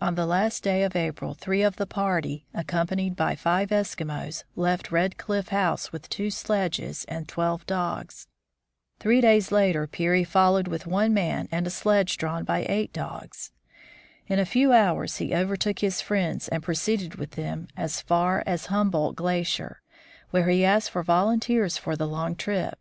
On the last day of April three of the party, accompanied by five Eskimos, left Red Cliff House with two sledges and twelve dogs. Three days later Peary followed with one man and a sledge drawn by eight dogs. In a few hours he overtook his friends and proceeded with them as far as 140 THE FROZEN NORTH Humboldt glacier, where he asked for volunteers for the long trip.